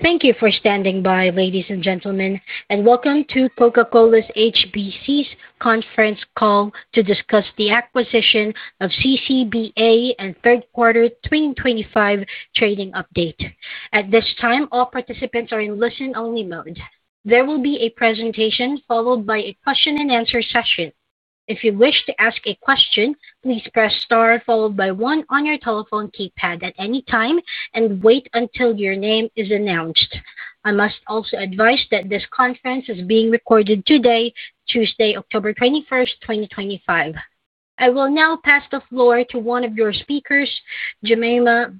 Thank you for standing by, ladies and gentlemen, and welcome to Coca-Cola HBC's conference call to discuss the acquisition of CCBA and third quarter 2025 trading update. At this time all participants are in listen-only mode. There will be a presentation followed by a question and answer session. If you wish to ask a question, please press star followed by one on your telephone keypad at any time and wait until your name is announced. I must also advise that this conference is being recorded today, Tuesday, October 21st 2025. I will now pass the floor to one of your speakers, Jemima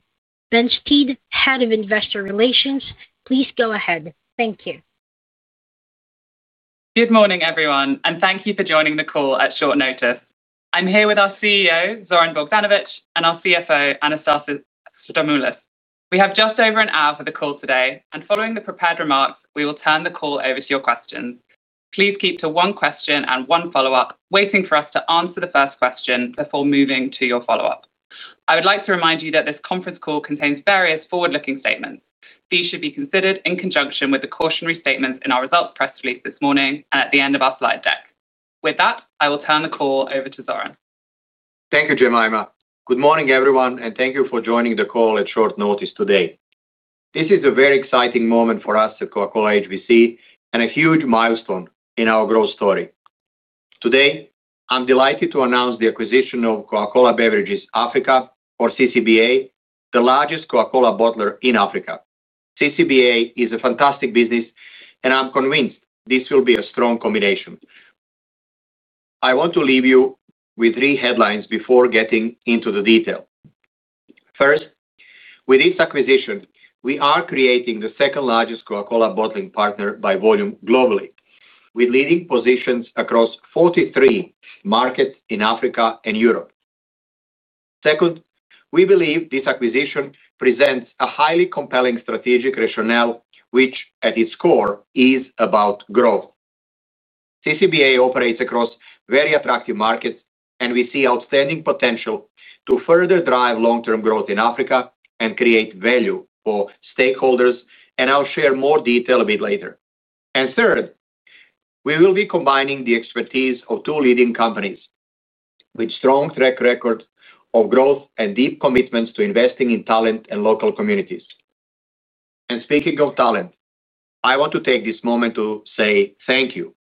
Benstead, Head of Investor Relations. Please go ahead. Thank you. Good morning everyone and thank you for joining the call at short notice. I'm here with our CEO Zoran Bogdanovic and our CFO Anastasis Stamoulis. We have just over an hour for the call today and following the prepared remarks we will turn the call over to your questions. Please keep to one question and one follow-up, waiting for us to answer the first question before moving to your follow-up. I would like to remind you that this conference call contains various forward-looking statements. These should be considered in conjunction with the cautionary statements in our results press release this morning and at the end of our slide deck. With that, I will turn the call over to Zoran. Thank you Jemima. Good morning everyone and thank you for joining the call at short notice today. This is a very exciting moment for us at Coca-Cola HBC and a huge milestone in our growth story today. I'm delighted to announce the acquisition of Coca-Cola Beverages Africa, or CCBA, the largest Coca-Cola bottler in Africa. CCBA is a fantastic business and I'm convinced this will be a strong combination. I want to leave you with three headlines before getting into the detail. First, with this acquisition, we are creating the second largest Coca-Cola bottling partner by volume globally, with leading positions across 43 markets in Africa and Europe. Second, we believe this acquisition presents a highly compelling strategic rationale which at its core is about growth. CCBA operates across very attractive markets and we see outstanding potential to further drive long-term growth in Africa and create value for stakeholders. I'll share more detail a bit later. Third, we will be combining the expertise of two leading companies with strong track records of growth and deep commitments to investing in talent and local communities. Speaking of talent, I want to take this moment to say thank you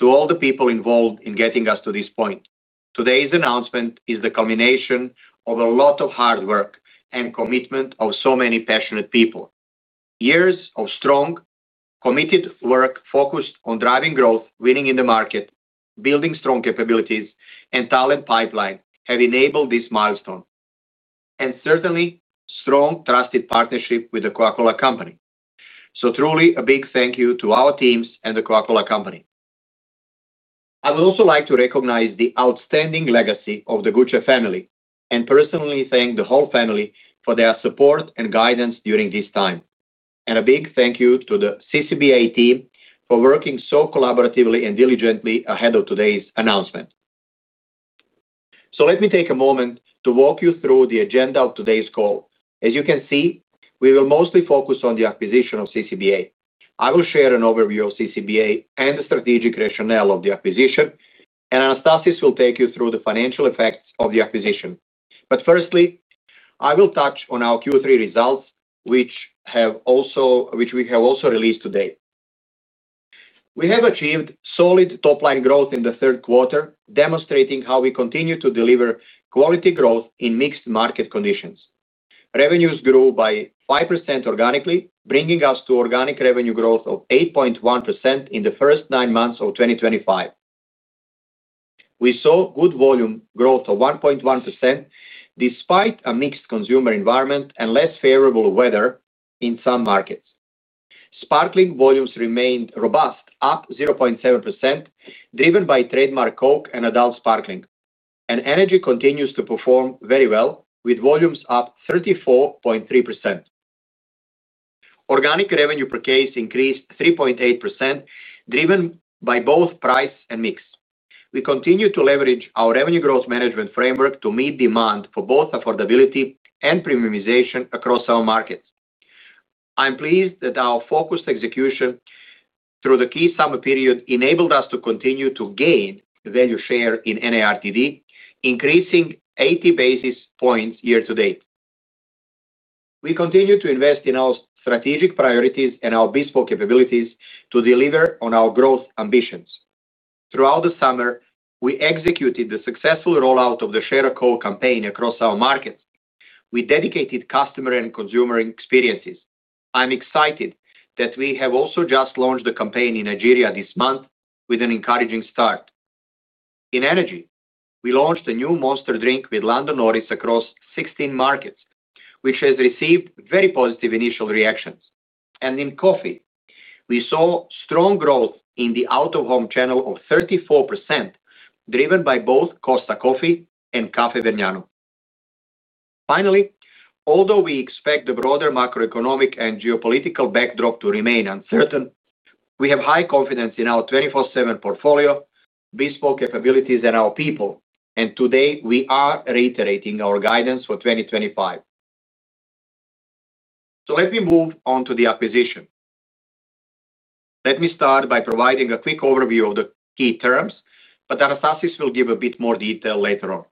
to all the people involved in getting us to this point. Today's announcement is the culmination of a lot of hard work and commitment of so many passionate people. Years of strong, committed work focused on driving growth, winning in the market, building strong capabilities and talent pipeline have enabled this milestone and certainly strong, trusted partnership with The Coca-Cola Company. Truly a big thank you to our teams and The Coca-Cola Company. I would also like to recognize the outstanding legacy of the Gutsche Family Investments and personally thank the whole family for their support and guidance during this time. A big thank you to the CCBA team for working so collaboratively and diligently ahead of today's announcement. Let me take a moment to walk you through the agenda of today's call. As you can see, we will mostly focus on the acquisition of CCBA. I will share an overview of CCBA and the strategic rationale of the acquisition, and Anastasis will take you through the financial effects of the acquisition. Firstly, I will touch on our Q3 results, which we have also released to date. We have achieved solid top-line growth in the third quarter, demonstrating how we continue to deliver quality growth in mixed market conditions. Revenues grew by 5% organically, bringing us to organic revenue growth of 8.1% in the first nine months of 2025. We saw good volume growth of 1.1% despite a mixed consumer environment and less favorable weather in some markets. Sparkling volumes remained robust, up 0.7%, driven by trademark Coke and Adult Sparkling, and Energy continues to perform very well with volumes up 34.3%. Organic revenue per case increased 3.8%, driven by both price and mix. We continue to leverage our revenue growth management framework to meet demand for both affordability and premiumization across our markets. I'm pleased that our focused execution through the key summer period enabled us to continue to gain value share in NARTD, increasing 80 basis points year to date. We continue to invest in our strategic priorities and our bespoke capabilities to deliver on our growth ambitions. Throughout the summer, we executed the successful rollout of the Share a Coke campaign across our markets with dedicated customer and consumer experiences. I'm excited that we have also just launched a campaign in Nigeria this month with an encouraging start in Energy. We launched a new Monster drink with Lando Norris across 16 markets, which has received very positive initial reactions. In Coffee, we saw strong growth in the out-of-home channel of 34%, driven by both Costa Coffee and Caffè Vergnano. Finally, although we expect the broader macroeconomic and geopolitical backdrop to remain uncertain, we have high confidence in our 24/7 portfolio, bespoke capabilities, and our people. Today we are reiterating our guidance for 2025. Let me move on to the acquisition. Let me start by providing a quick overview of the key terms, but Anastasis will give a bit more detail later on.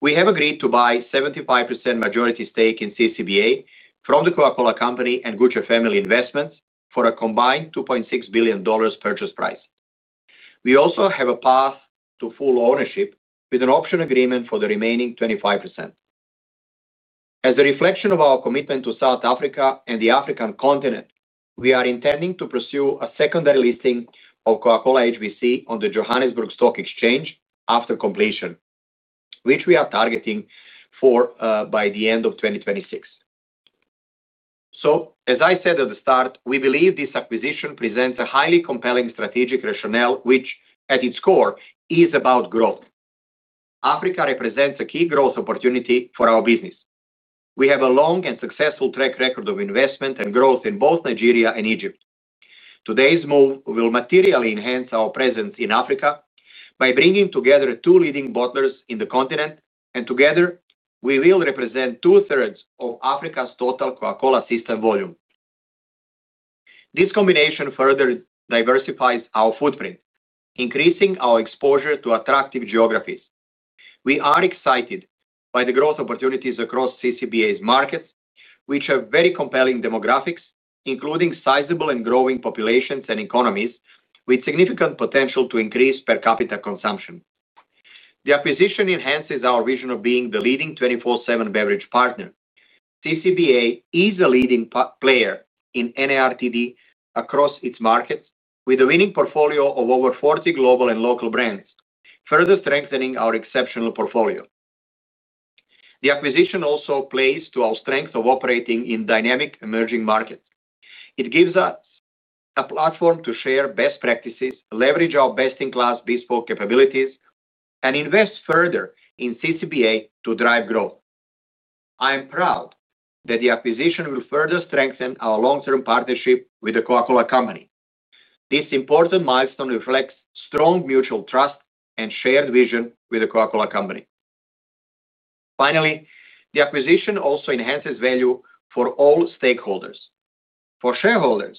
We have agreed to buy a 75% majority stake in CCBA from The Coca-Cola Company and Gutsche Family Investments for a combined $2.6 billion purchase price. We also have a path to full ownership with an option agreement for the remaining 25%. As a reflection of our commitment to South Africa and the African continent, we are intending to pursue a secondary listing of Coca-Cola HBC on the Johannesburg Stock Exchange after completion, which we are targeting for by the end of 2026. As I said at the start, we believe this acquisition presents a highly compelling strategic rationale which at its core is about growth. Africa represents a key growth opportunity for our business. We have a long and successful track record of investment and growth in both Nigeria and Egypt. Today's move will materially enhance our presence in Africa by bringing together two leading bottlers in the continent and together we will represent two thirds of Africa's total Coca-Cola system volume. This combination further diversifies our footprint, increasing our exposure to attractive geographies. We are excited by the growth opportunities across CCBA's markets which have very compelling demographics including sizable and growing populations and economies with significant potential to increase per capita consumption. The acquisition enhances our vision of being the leading 24/7 beverage partner. CCBA is a leading player in NARTD across its markets with a winning portfolio of over 40 global and local brands, further strengthening our exceptional portfolio. The acquisition also plays to our strength of operating in dynamic emerging markets. It gives us a platform to share best practices, leverage our best-in-class bespoke capabilities and invest further in CCBA to drive growth. I am proud that the acquisition will further strengthen our long-term partnership with The Coca-Cola Company. This important milestone reflects strong mutual trust and shared vision with The Coca-Cola Company. Finally, the acquisition also enhances value for all stakeholders. For shareholders,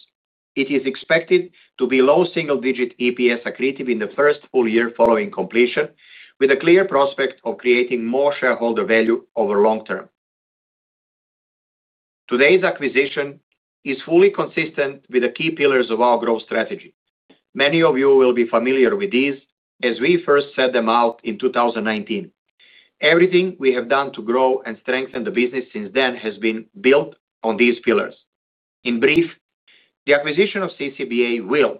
it is expected to be low single-digit EPS accretive in the first full year following completion, with a clear prospect of creating more shareholder value over the long term. Today's acquisition is fully consistent with the key pillars of our growth strategy. Many of you will be familiar with these as we first set them out in 2019. Everything we have done to grow and strengthen the business since then has been built on these pillars. In brief, the acquisition of CCBA will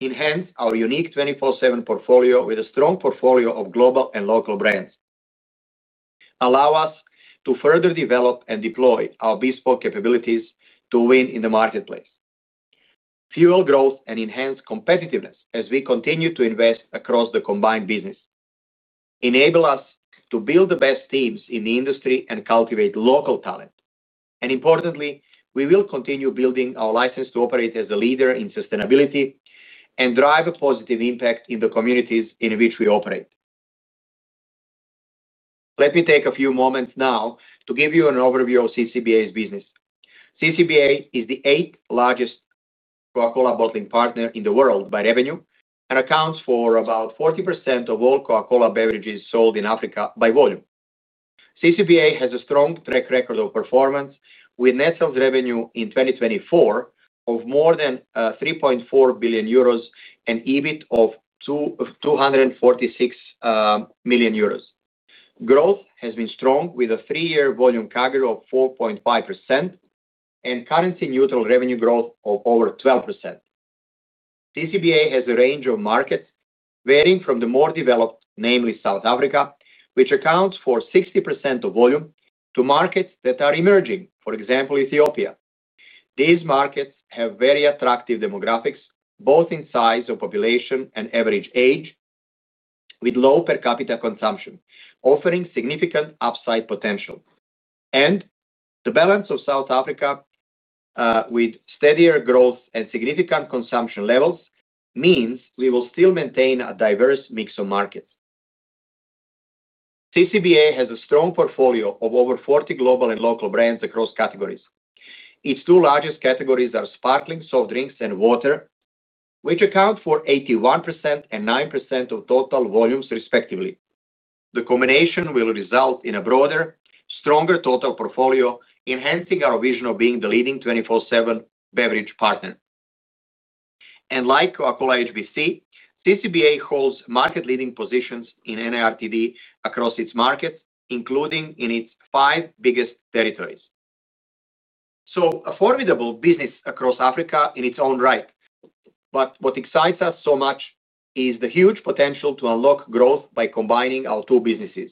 enhance our unique 24/7 portfolio with a strong portfolio of global and local brands, allow us to further develop and deploy our bespoke capabilities to win in the marketplace, fuel growth and enhance competitiveness as we continue to invest across the combined business, enable us to build the best teams in the industry, and cultivate local talent. Importantly, we will continue building our license to operate as a leader in sustainability and drive a positive impact in the communities in which we operate. Let me take a few moments now to give you an overview of CCBA's business. CCBA is the 8th largest Coca-Cola bottling partner in the world by revenue and accounts for about 40% of all Coca-Cola beverages sold in Africa by volume. CCBA has a strong track record of performance with net sales revenue in 2024 of more than 3.4 billion euros and EBIT of 246 million euros. Growth has been strong with a three-year volume CAGR of 4.5% and currency-neutral revenue growth of over 12%. CCBA has a range of markets varying from the more developed, namely South Africa which accounts for 60% of volume, to markets that are emerging, for example Ethiopia. These markets have very attractive demographics both in size of population and average age, with low per capita consumption offering significant upside potential. The balance of South Africa with steadier growth and significant consumption levels means we will still maintain a diverse mix of markets. CCBA has a strong portfolio of over 40 global and local brands across categories. Its two largest categories are sparkling soft drinks and water, which account for 81% and 9% of total volumes respectively. The combination will result in a broader, stronger total portfolio, enhancing our vision of being the leading 24/7 beverage partner. Like Coca-Cola HBC, CCBA holds market-leading positions in NARTD across its markets, including in its five biggest territories. This is a formidable business across Africa in its own right. What excites us so much is the huge potential to unlock growth by combining our two businesses.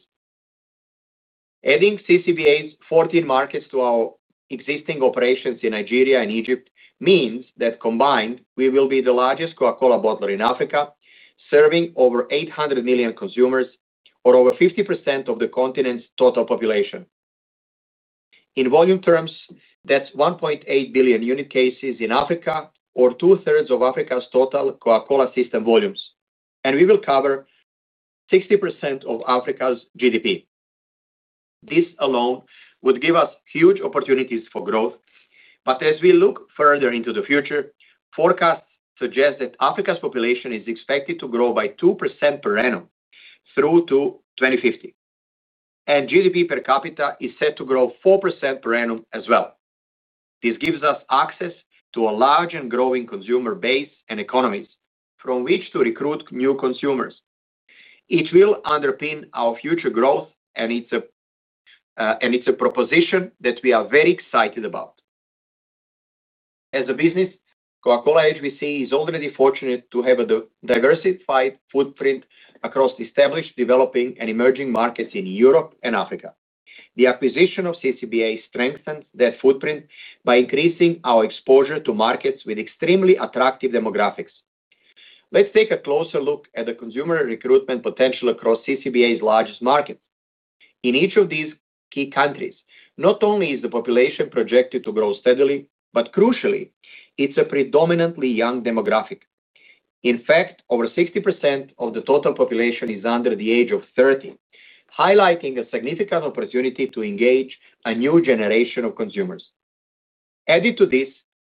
Adding CCBA's 14 markets to our existing operations in Nigeria and Egypt means that combined we will be the largest Coca-Cola bottler in Africa, serving over 800 million consumers or over 50% of the continent's total population. In volume terms, that's 1.8 billion unit cases in Africa or two-thirds of Africa's total Coca-Cola system volumes, and we will cover 60% of Africa's GDP. This alone would give us huge opportunities for growth. As we look further into the future, forecasts suggest that Africa's population is expected to grow by 2% per annum through to 2050, and GDP per capita is set to grow 4% per annum as well. This gives us access to a large and growing consumer base and economies from which to recruit new consumers. It will underpin our future growth, and it's a proposition that we are very excited about as a business. Coca-Cola HBC is already fortunate to have a diversified footprint across established, developing, and emerging markets in Europe and Africa. The acquisition of CCBA strengthens that footprint by increasing our exposure to markets with extremely attractive demographics. Let's take a closer look at the consumer recruitment potential across CCBA's largest markets. In each of these key countries, not only is the population projected to grow steadily, but crucially, it's a predominantly young demographic. In fact, over 60% of the total population is under the age of 30, highlighting a significant opportunity to engage a new generation of consumers. Added to this,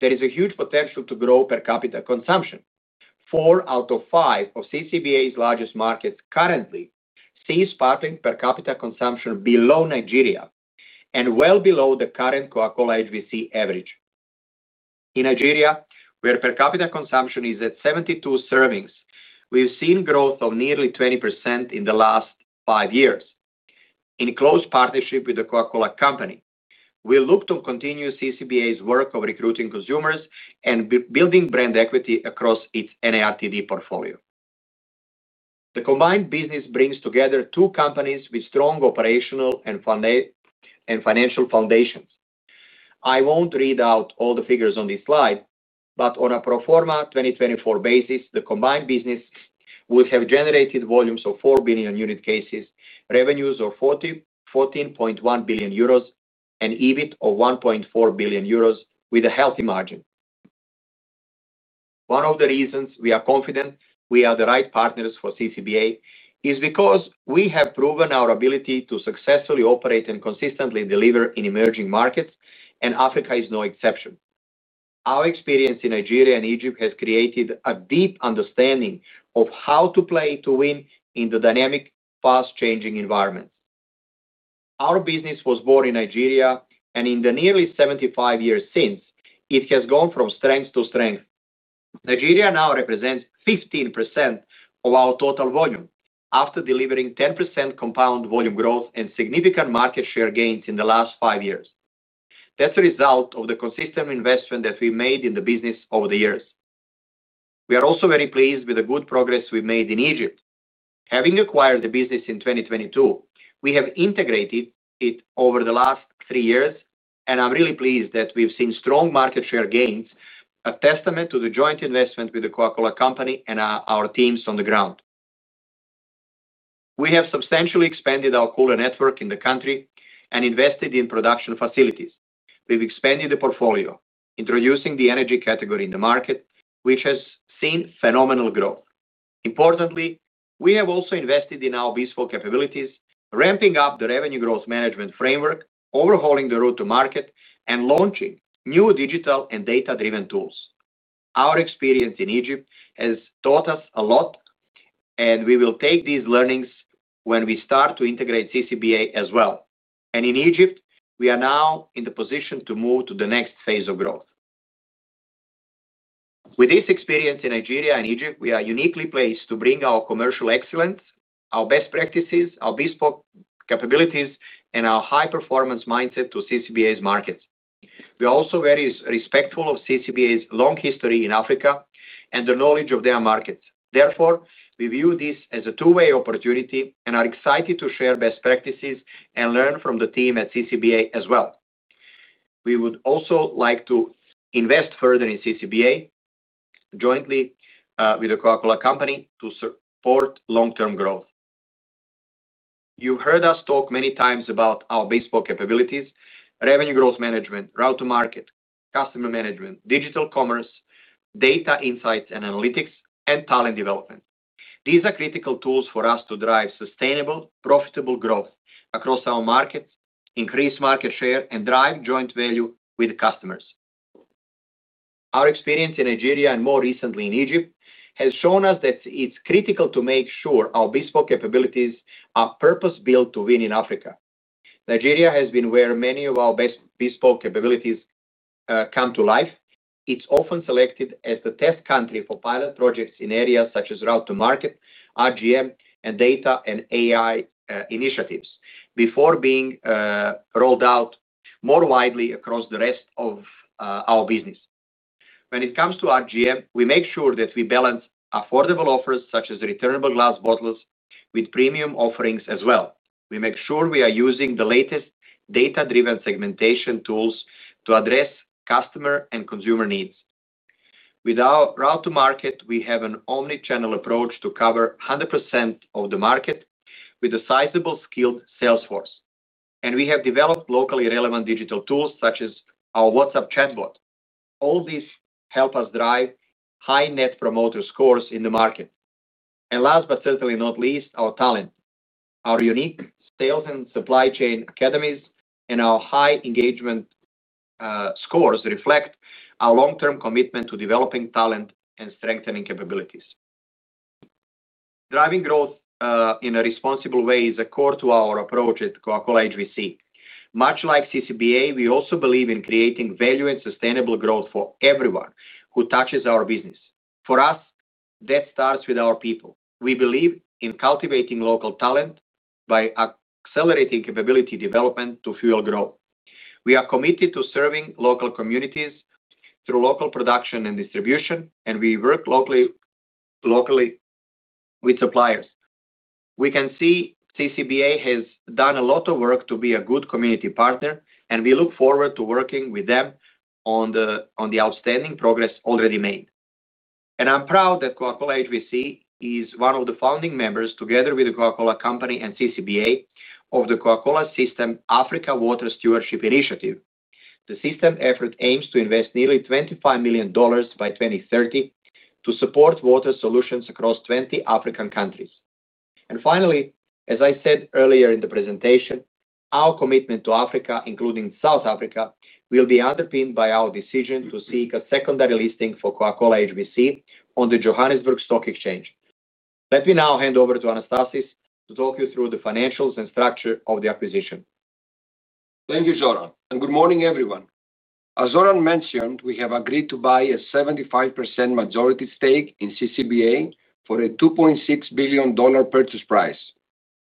there is a huge potential to grow per capita consumption. Four out of five of CCBA's largest markets currently see sparkling per capita consumption below Nigeria and well below the current Coca-Cola HBC average. In Nigeria, where per capita consumption is at 72 servings, we've seen growth of nearly 20% in the last five years. In close partnership with The Coca-Cola Company, we look to continue CCBA's work of recruiting consumers and building brand equity across its NARTD portfolio. The combined business brings together two companies with strong operational and financial foundations. I won't read out all the figures on this slide, but on a pro forma 2024 basis, the combined business would have generated volumes of 4 billion unit cases, revenues of 14.1 billion euros, and EBIT of 1.4 billion euros with a healthy margin. One of the reasons we are confident we are the right partners for CCBA is because we have proven our ability to successfully operate and consistently deliver in emerging markets and Africa is no exception. Our experience in Nigeria and Egypt has created a deep understanding of how to play to win in the dynamic, fast-changing environment. Our business was born in Nigeria and in the nearly 75 years since, it has gone from strength to strength. Nigeria now represents 15% of our total volume after delivering 10% compound volume growth and significant market share gains in the last five years. That's a result of the consistent investment that we made in the business over the years. We are also very pleased with the good progress we've made in Egypt. Having acquired the business in 2022, we have integrated it over the last three years and I'm really pleased that we've seen strong market share gains, a testament to the joint investment with The Coca-Cola Company and our teams on the ground. We have substantially expanded our cooler network in the country and invested in production facilities. We've expanded the portfolio, introducing the energy category in the market, which has seen phenomenal growth. Importantly, we have also invested in our bespoke capabilities, ramping up the revenue growth management framework, overhauling the route-to-market, and launching new digital and data-driven tools. Our experience in Egypt has taught us a lot and we will take these learnings when we start to integrate CCBA as well, and in Egypt we are now in the position to move to the next phase of growth. With this experience in Nigeria and Egypt, we are uniquely placed to bring our commercial excellence, our best practices, our bespoke capabilities, and our high-performance mindset to CCBA's markets. We are also very respectful of CCBA's long history in Africa and the knowledge of their market. Therefore, we view this as a two-way opportunity and are excited to share best practices and learn from the team at CCBA as well. We would also like to invest further in CCBA jointly with The Coca-Cola Company to support long-term growth. You heard us talk many times about our bespoke capabilities, revenue growth management, route-to-market, customer management, digital commerce, data insights and analytics, and talent development. These are critical tools for us to drive sustainable, profitable growth across our markets, increase market share, and drive joint value with customers. Our experience in Nigeria and more recently in Egypt has shown us that it's critical to make sure our bespoke capabilities are purpose-built to win in Africa. Nigeria has been where many of our best bespoke capabilities come to life. It's often selected as the test country for pilot projects in areas such as route-to-market RGM and data and AI initiatives before being rolled out more widely across the rest of our business. When it comes to RGM, we make sure that we balance affordable offers such as returnable glass bottles with premium offerings. As well, we make sure we are using the latest data-driven segmentation tools to address customer and consumer needs. With our route-to-market, we have an omnichannel approach to cover 100% of the market with a sizable, skilled salesforce, and we have developed locally relevant digital tools such as our WhatsApp chatbot. All these help us drive high net promoter scores in the market and, last but certainly not least, our talent. Our unique sales and supply chain academies and our high engagement scores reflect our long-term commitment to developing talent and strengthening capabilities. Driving growth in a responsible way is core to our approach at Coca-Cola HBC. Much like CCBA, we also believe in creating value and sustainable growth for everyone who touches our business. For us, that starts with our people. We believe in cultivating local talent by accelerating capability development to fuel growth. We are committed to serving local communities too, through local production and distribution, and we work locally with suppliers. We can see CCBA has done a lot of work to be a good community partner, and we look forward to working with them on the outstanding progress already made. I'm proud that Coca-Cola HBC is one of the founding members, together with The Coca-Cola Company and CCBA, of the Coca-Cola System Africa Water Stewardship Initiative. The system effort aims to invest nearly $25 million by 2030 to support water solutions across 20 African countries. Finally, as I said earlier in the presentation, our commitment to Africa, including South Africa, will be underpinned by our decision to seek a secondary listing for Coca-Cola HBC on the Johannesburg Stock Exchange. Let me now hand over to Anastasis to talk you through the financials and structure of the acquisition. Thank you, Zoran, and good morning, everyone. As Zoran mentioned, we have agreed to buy a 75% majority stake in CCBA for a $2.6 billion purchase price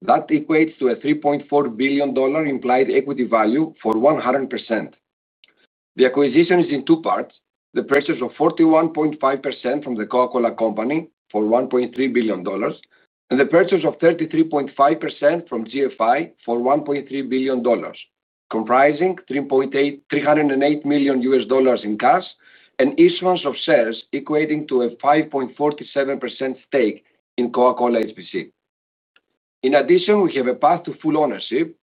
that equates to a $3.4 billion implied equity value for 100%. The acquisition is in two parts: the purchase of 41.5% from The Coca-Cola Company for $1.3 billion and the purchase of 33.5% from GFI for $1.3 billion, comprising $308 million in cash and issuance of shares equating to a 5.47% stake in Coca-Cola HBC. In addition, we have a path to full ownership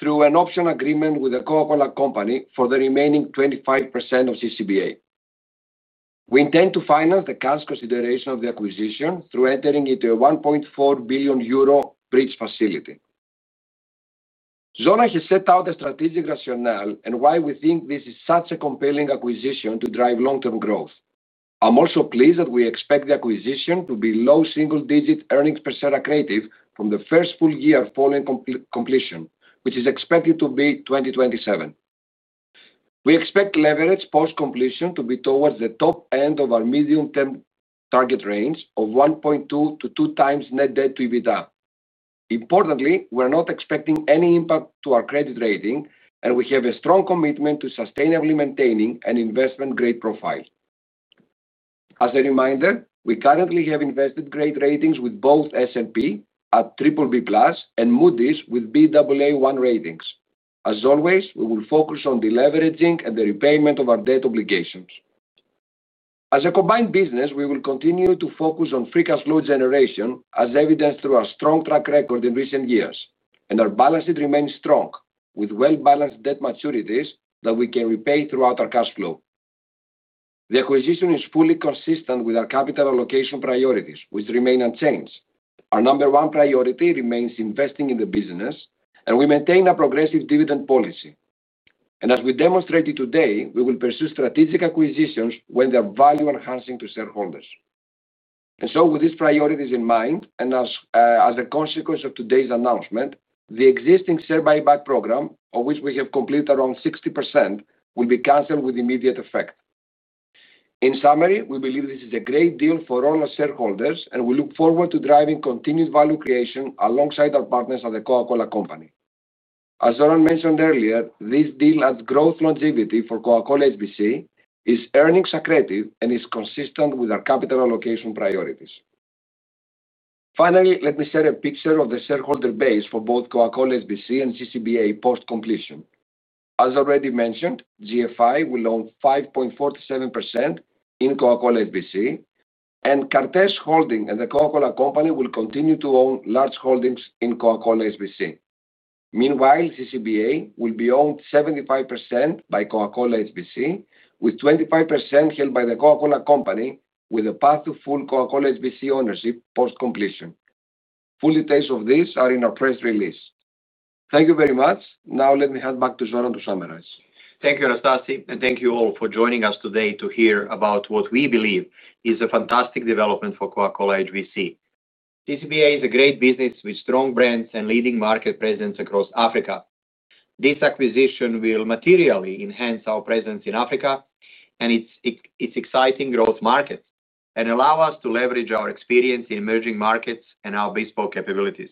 through an option agreement with The Coca-Cola Company for the remaining 25% of CCBA. We intend to finance the cash consideration of the acquisition through entering into a 1.4 billion euro bridge facility. Zoran has set out a strategic rationale and why we think this is such a compelling acquisition to drive long-term growth. I'm also pleased that we expect the acquisition to be low single-digit earnings per share accretive from the first full year following completion, which is expected to be 2027. We expect leverage post-completion to be towards the top end of our medium-term target range of 1.2x- 2x net debt/EBITDA. Importantly, we're not expecting any impact to our credit rating, and we have a strong commitment to sustainably maintaining an investment-grade profile. As a reminder, we currently have investment-grade ratings with both S&P at BBB+ and Moody's with Baa1 ratings. As always, we will focus on deleveraging and the repayment of our debt obligations. As a combined business, we will continue to focus on free cash flow generation as evidenced through our strong track record in recent years, and our balance sheet remains strong with well-balanced debt maturities that we can repay throughout our cash flow. The acquisition is fully consistent with our capital allocation priorities, which remain unchanged. Our number one priority remains investing in the business, and we maintain a progressive dividend policy. As we demonstrated today, we will pursue strategic acquisitions when they are value enhancing to shareholders. With these priorities in mind and as a consequence of today's announcement, the existing share buyback program, of which we have completed around 60%, will be cancelled with immediate effect. In summary, we believe this is a great deal for all our shareholders, and we look forward to driving continued value creation alongside our partners at The Coca-Cola Company. As Zoran mentioned earlier, this deal at growth longevity for Coca-Cola HBC is earnings accretive and is consistent with our capital allocation priorities. Finally, let me share a picture of the shareholder base for both Coca-Cola HBC and CCBA post completion. As already mentioned, GFI will own 5.47% in Coca-Cola HBC and Kar-Tess holding and The Coca-Cola Company will continue to own large holdings in Coca-Cola HBC. Meanwhile, CCBA will be owned 75% by Coca-Cola HBC with 25% held by The Coca-Cola Company with a path to full Coca-Cola HBC ownership post completion. Full details of these are in our press release. Thank you very much. Now let me hand back to Zoran to summarize. Thank you, Anastasis, and thank you all for joining us today to hear about what we believe is a fantastic development for Coca-Cola HBC. CCBA is a great business with strong brands and leading market presence across Africa. This acquisition will materially enhance our presence in Africa and its exciting growth market and allow us to leverage our experience in emerging markets and our bespoke capabilities.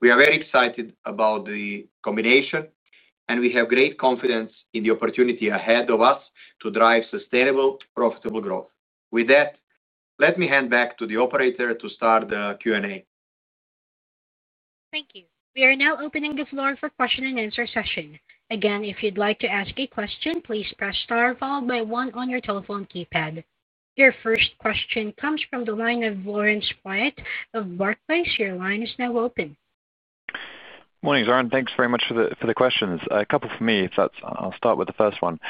We are very excited about the combination, and we have great confidence in the opportunity ahead of us to drive sustainable, profitable growth. With that, let me hand back to the operator to start the Q&A. Thank you. We are now opening the floor for the question and answer session. Again, if you'd like to ask a question, please press Star followed by one on your telephone keypad. Your first question comes from the line of Laurence Whyatt of Barclays. Your line is now open. Morning Zoran. Thanks very much for the questions. A couple for me. I'll start with the first one.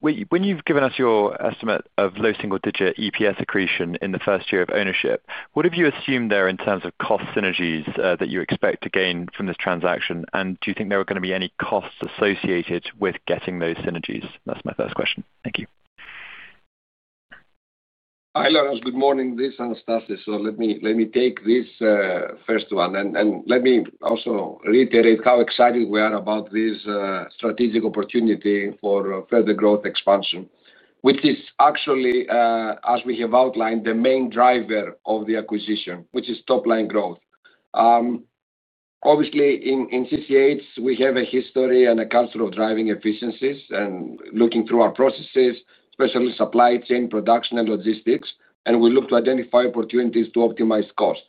When you've given us your estimate of low single digit EPS accretion in the first year of ownership, what have you assumed there in terms of cost synergies that you expect to gain from this transaction? Do you think there are going to be any costs associated with getting those synergies? That's my first question. Thank you. Hi Laurence, good morning. This is Anastasis. Let me take this first one and let me also reiterate how excited we are about this strategic opportunity for further growth expansion, which is actually, as we have outlined, the main driver of the acquisition, which is top-line growth. Obviously, in CCH we have a history and a culture of driving efficiencies and looking through our processes, especially supply chain, production, and logistics, and we look to identify opportunities to optimize cost.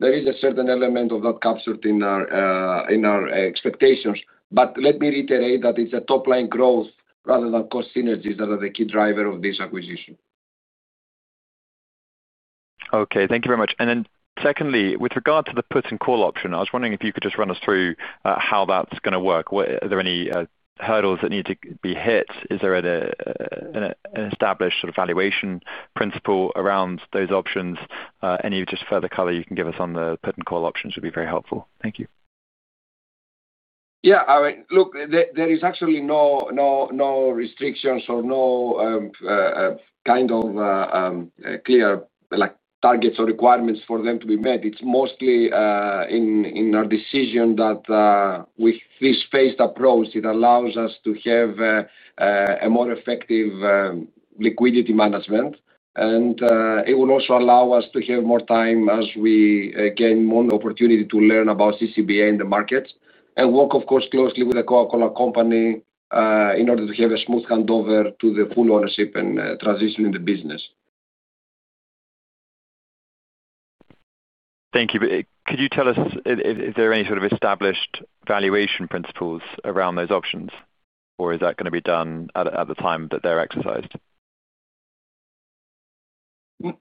There is a certain element of that captured in our expectations. Let me reiterate that it's top-line growth rather than cost synergies that are the key driver of this acquisition. Okay, thank you very much. Secondly, with regard to the put and call option, I was wondering if you could just run us through how that's going to work. Are there any hurdles that need to be hit? Is there an established valuation principle around those options? Any just further color you can give us on the put and call options would be very helpful. Thank you. Yeah, look, there are actually no restrictions or no kind of clear targets or requirements for them to be met. It's mostly in our decision that with this phased approach, it allows us to have a more effective liquidity management, and it will also allow us to have more time as we gain more opportunity to learn about CCBA in the markets and work, of course, closely with The Coca-Cola Company in order to have a smooth handover to the full ownership and transition in the business. Thank you. Could you tell us if there are any sort of established valuation principles around those options, or is that going to be done at the time that they're exercised?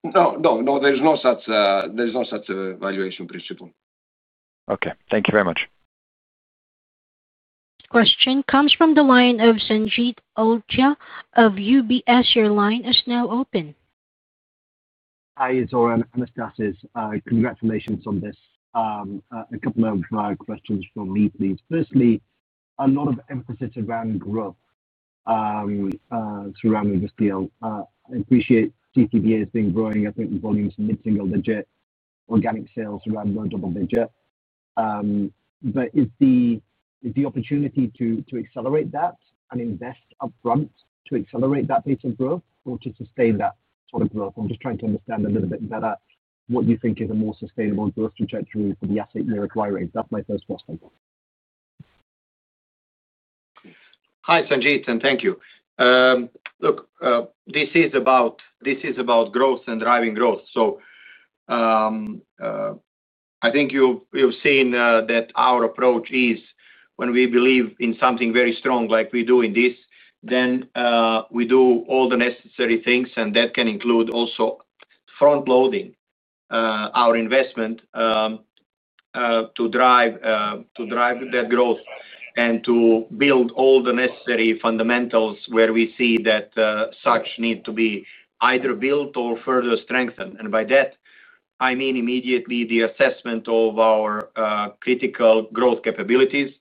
No, there's no such valuation principle. Okay, thank you very much. Question comes from the line of Sanjeet Aujla of UBS. Your line is now open. Hi, it's Anastasis. Congratulations on this. A couple of questions from me please. Firstly, a lot of emphasis around growth surrounding this deal. I appreciate CCBA has been growing, I think volumes mid single digit, organic sales. Around low double digit. Is the opportunity to accelerate that and invest upfront to accelerate that pace of growth or to sustain that sort of growth? I'm just trying to understand a little bit better what you think is a more sustainable growth trajectory for the asset you're at. That's my first prospect. Hi Sanjeet and thank you. Look, this is about growth and driving growth. I think you've seen that our approach is when we believe in something very strong like we do in this, then we do all the necessary things and that can include also front loading our investment to drive that growth and to build all the necessary fundamentals where we see that such need to be either built or further strengthened. By that I mean immediately the assessment of our critical growth capabilities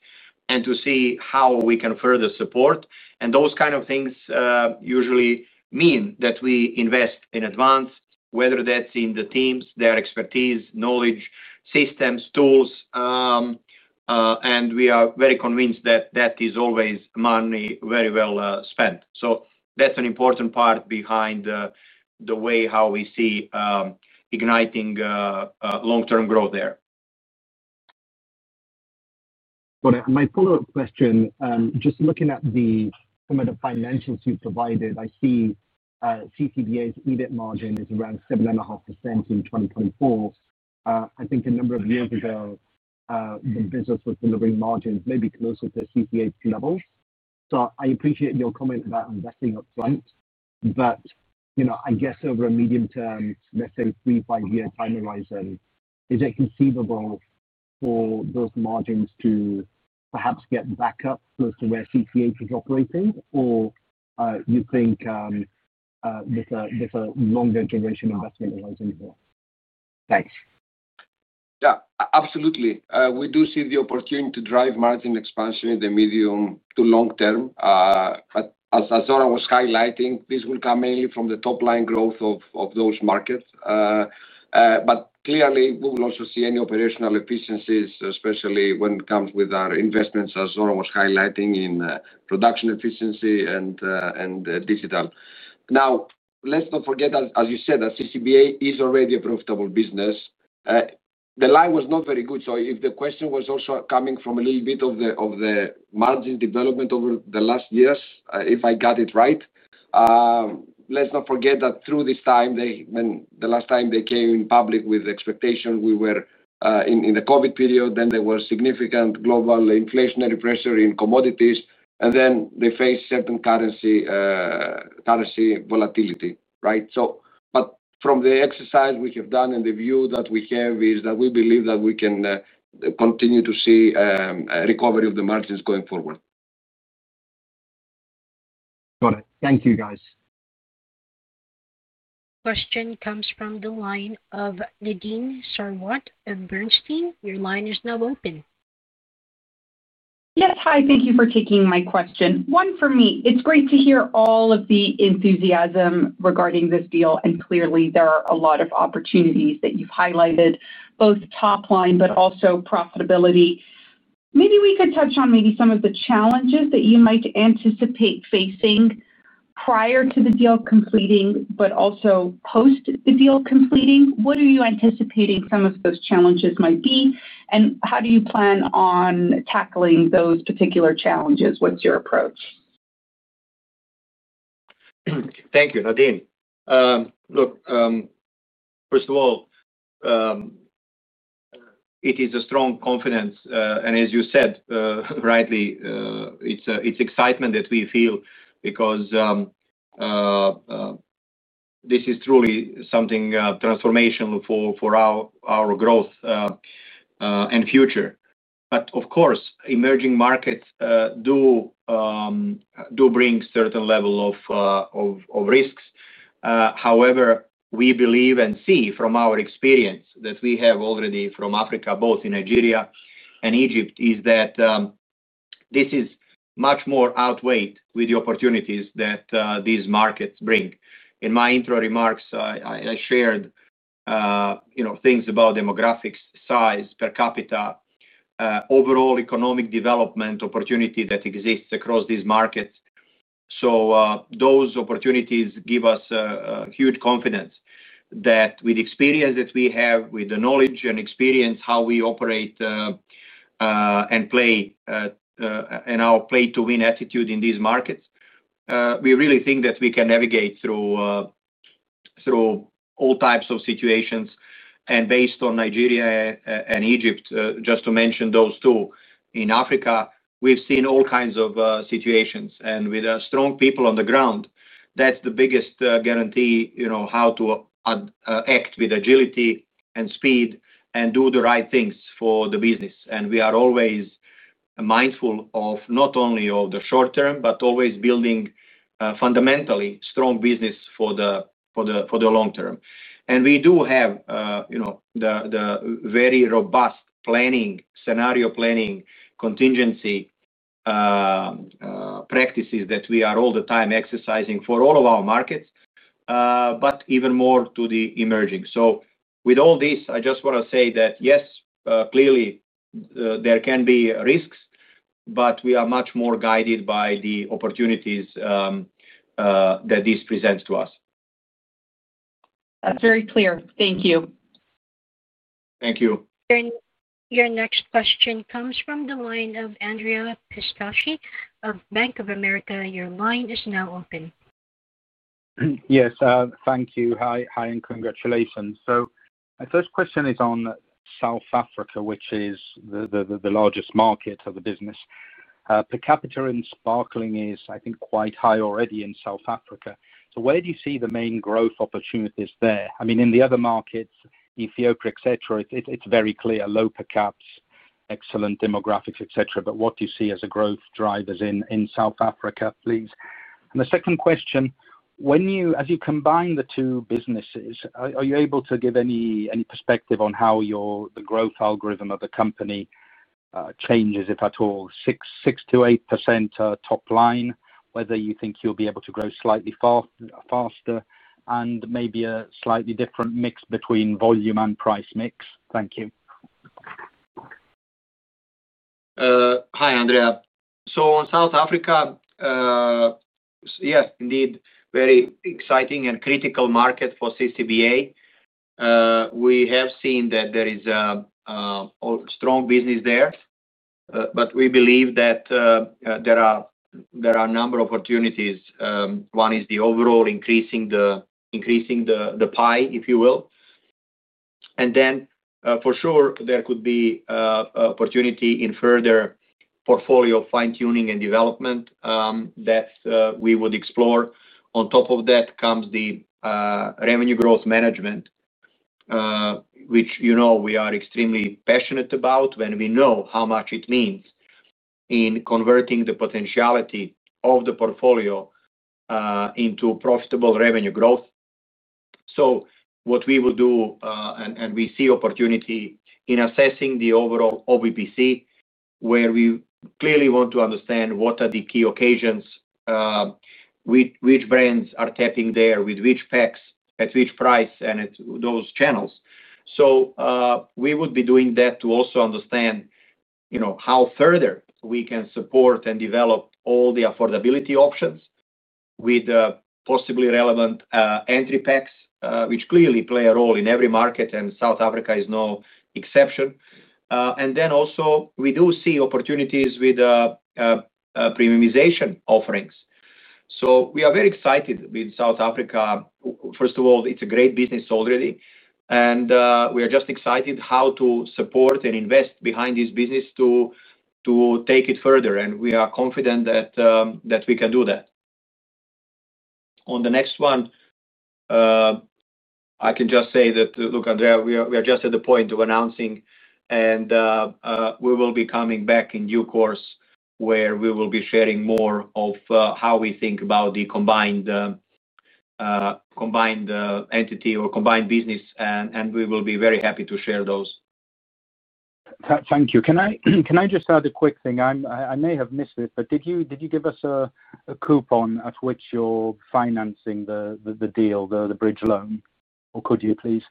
and to see how we can further support. Those kind of things usually mean that we invest in advance, whether that's in the teams, their expertise, knowledge, systems, tools, and we are very convinced that that is always money very well spent. That's an important part behind the way how we see igniting long term growth there. My follow up question, just looking at some of the financials you provided, I see CCBA's EBIT margin is around 7.5% in 2024. I think a number of years ago the business was delivering margins maybe closer to CCH levels. I appreciate your comment about investing upfront but I guess over a medium term, let's say three, five year time horizon, is it conceivable for those margins to perhaps get back up close to where CCH is operating or you think there's a longer duration investment horizon? Thanks. Yeah, absolutely. We do see the opportunity to drive margin expansion in the medium to long term. As Zoran was highlighting, this will come mainly from the top-line growth of those markets. Clearly, we will also see any operational efficiencies, especially when it comes with our investments, as Zoran was highlighting, in production efficiency and digital. Now, let's not forget, as you said, that CCBA is already a profitable business. The line was not very good. If the question was also coming from a little bit of the margin development over the last years, if I got it right, let's not forget that through this time, the last time they came in public with expectation we were in the COVID period. There was significant global inflationary pressure in commodities, and they faced certain currency volatility. Right. From the exercise we have done and the view that we have is that we believe that we can continue to see recovery of the margins going forward. Got it. Thank you, guys. Question comes from the line of Nadine Sarwat and Bernstein Your line is now open. Yes. Hi, thank you for taking my question, one for me. It's great to hear all of the enthusiasm regarding this deal. Clearly there are a lot of opportunities that you've highlighted, both top line but also profitability. Maybe we could touch on maybe some of the challenges that you might anticipate facing prior to the deal completing, but also post the deal completing. What are you anticipating some of those challenges might be and how do you plan on tackling those particular challenges? Thank you, Nadine. Look, first of all, it is a strong confidence and as you said, rightly it's excitement that we feel because this is truly something transformational for our growth and future. Of course, emerging markets do bring a certain level of risks. However, we believe and see from our experience that we have already from Africa, both in Nigeria and Egypt, that this is much more outweighed with the opportunities that these markets bring. In my intro remarks, I shared things about demographics, size, per capita, overall economic development opportunity that exists across these markets. Those opportunities give us huge confidence that with experience that we have, with the knowledge and experience, how we operate and play in our play to win attitude in these markets, we really think that we can navigate through all types of situations. Based on Nigeria and Egypt, just to mention those two, in Africa, we've seen all kinds of situations. With strong people on the ground, that's the biggest guarantee. You know how to act with agility and speed and do the right things for the business. We are always mindful not only of the short term, but always building fundamentally strong business for the long term. We do have the very robust planning, scenario planning, contingency practices that we are all the time exercising for all of our markets, but even more to the emerging. With all this, I just want to say that yes, clearly there can be risks, but we are much more guided by the opportunities that this presents to us. That's very clear. Thank you. Thank you. Your next question comes from the line of Andrea Pistacchi of Bank of America. Your line is now open. Yes, thank you. Hi and congratulations. My first question is on South Africa, which is the largest market of the business per capita and sparkling is, I think, quite high already in South Africa. Where do you see the main growth opportunities there? In the other markets, Ethiopia, et cetera, it's very clear, low per caps, excellent demographics, et cetera. What do you see as the growth drivers in South Africa, please? The second question, as you combine the two businesses, are you able to give any perspective on how the growth algorithm of the company changes, if at all, 6%-8% top line, whether you think you'll be able to grow slightly faster and maybe a slightly different mix between volume and price mix. Thank you. Hi Andrea. In South Africa, yes indeed, very exciting and critical market for CCBA. We have seen that there is strong business there, but we believe that there are a number of opportunities. One is the overall increasing the pie, if you will. For sure, there could be opportunity in further portfolio fine tuning and development that we would explore. On top of that comes the revenue growth management, which you know we are extremely passionate about when we know how much it means in converting the potentiality of the portfolio into profitable revenue growth. What we will do, and we see opportunity in assessing the overall OBBC, where we clearly want to understand what are the key occasions, which brands are tapping there, with which packs, at which price, and at those channels. We would be doing that to also understand how further we can support and develop all the affordability options with possibly relevant entry packs, which clearly play a role in every market and South Africa is no exception. We do see opportunities with premiumization offerings. We are very excited with South Africa. First of all, it's a great business already and we are just excited how to support and invest behind this business to take it further. We are confident that we can do that. On the next one, I can just say that, look Andrea, we are just at the point of announcing and we will be coming back in due course where we will be sharing more of how we think about the combined entity or combined business. We will be very happy to share those. Thank you. Can I just add a quick thing? I may have missed it, but did you give us a coupon at which you're financing the deal, the bridge facility, or could you please.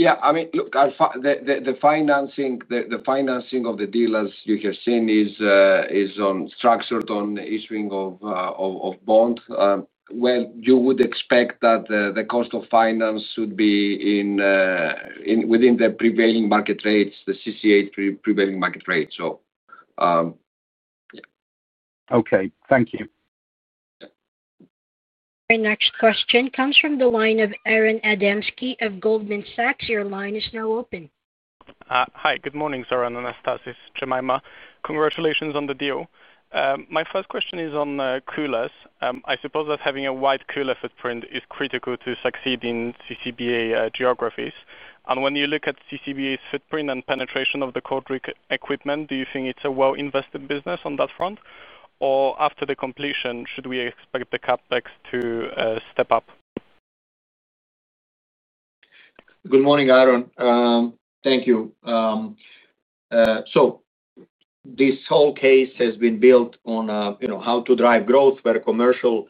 Yeah, I mean look, the financing of the deal as you have seen is structured on the issuing of bond. You would expect that the cost of finance should be within the prevailing market rates, the CCH prevailing market rate. Okay, thank you. Our next question comes from the line of Aron Adamski of Goldman Sachs. Your line is now open. Hi. Good morning, sir. Anastasis, Jemima. Congratulations on the deal. My first question is on coolers. I suppose that having a wide cooler. Footprint is critical to succeed in CCBA geographies. When you look at CCBA's footprint and penetration of the cold rig equipment, do you think it's a well-invested business on that front or after the completion, should we expect the CapEx to step up? Good morning, Aron. Thank you. This whole case has been built on how to drive growth where commercial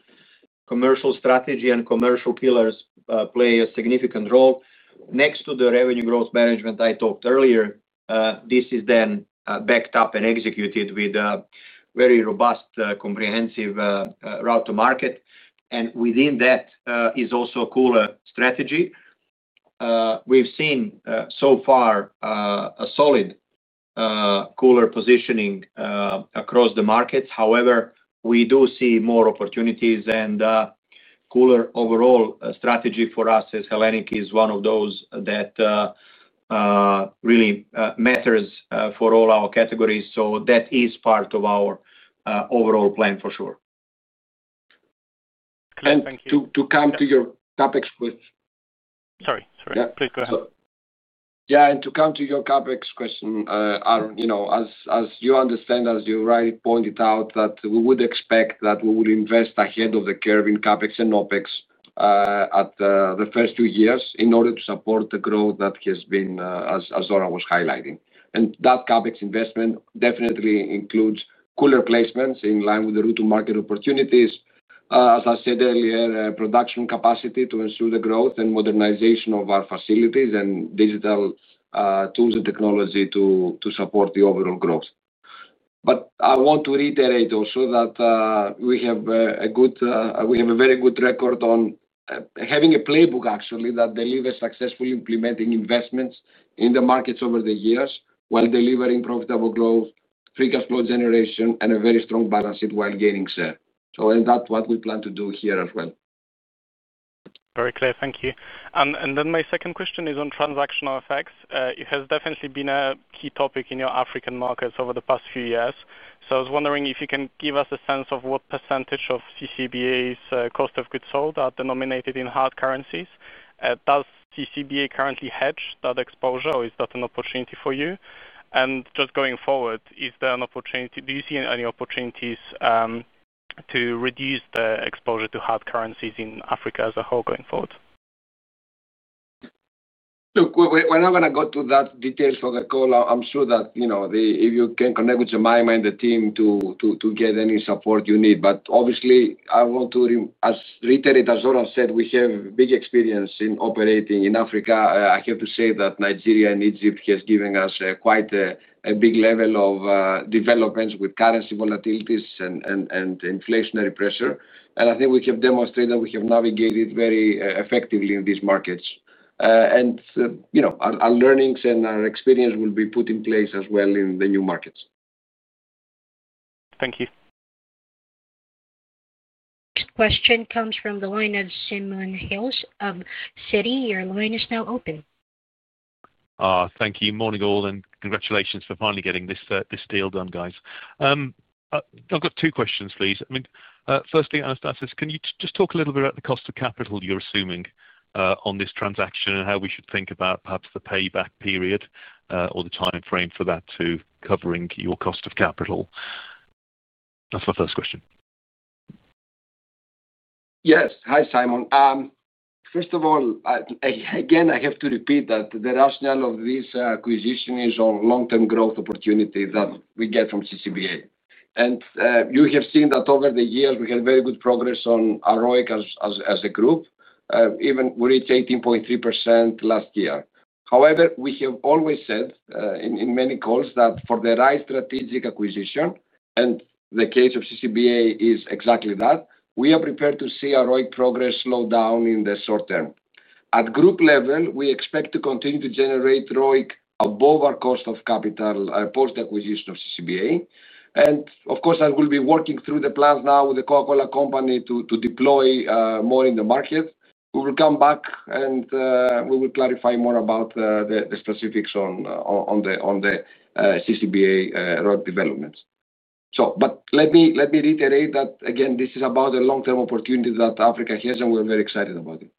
strategy and commercial pillars play a significant role next to the revenue growth management I talked earlier. This is then backed up and executed with a very robust, comprehensive route to market. Within that is also a cooler strategy. We've seen so far a solid cooler positioning across the markets. However, we do see more opportunities, and cooler overall strategy for us as Hellenic is one of those that really matters for all our categories. That is part of our overall plan for sure. To come to your CapEx question. Sorry, please go ahead. Yeah, and to come to your CapEx question, you know, as you understand, as you rightly pointed out, that we would expect that we would invest ahead of the curve in CapEx and OpEx at the first two years in order to support the growth. That has been as Aron was highlighting. That CapEx investment definitely includes cooler placements in line with the route-to-market opportunities. As I said earlier, production capacity to ensure the growth and modernization of our facilities and digital tools and technology to support the overall growth. I want to reiterate also that we have a very good record on having a playbook actually that delivers successfully implementing investments in the markets over the years while delivering profitable growth, free cash flow generation, and a very strong balance sheet while gaining share. That's what we plan to do here as well. Very clear, thank you. My second question is on transactional effects. It has definitely been a key topic in your African markets over the past few years. I was wondering if you can give us a sense of what percentage of CCBA's cost of goods sold are denominated in hard currencies. Does the CCBA currently hedge that exposure or is that an opportunity for you? Going forward, is there an opportunity, do you see any opportunities to reduce the exposure to hard currencies in Africa as a whole going forward? Look, we're not going to go to that details of the call. I'm sure that you know, if you can connect with Jemima Benstead and the team to get any support you need. Obviously, I want to reiterate, as Zoran said, we have big experience in operating in Africa. I have to say that Nigeria and Egypt have given us quite a big level of developments with currency volatilities and inflationary pressure. I think we have demonstrated we have navigated very effectively in these markets, and you know, our learnings and our experience will be put in place as well in the new markets. Thank you. Next question comes from the line of Simon Hales of Citi. Your line is now open. Thank you. Morning all, and congratulations for finally getting this deal done. Guys, I've got two questions, please. Firstly, Anastasis says can you just talk a little bit about the cost of. Capital you're assuming on this transaction and how we should think about perhaps the payback period or the time frame for that to covering your cost of capital. That's my first question. Yes. Hi Simon. First of all, again I have to repeat that the rationale of this acquisition is on long-term growth opportunity that we get from CCBA, and you have seen that over the years we had very good progress on heroic as a group. Even we reached 18.3% last year. However, we have always said in many calls that for the right strategic acquisition, and the case of CCBA is exactly that, we are prepared to see our progress slow down in the short term at group level. We expect to continue to generate ROIC above our cost of capital post acquisition of CCBA. Of course, I will be working through the plans now with The Coca-Cola Company to deploy more in the market. We will come back and we will clarify more about the specifics on the CCBA road developments. Let me reiterate that again, this is about a long-term opportunity that Africa has and we're very excited about it.